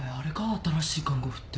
新しい看護婦って。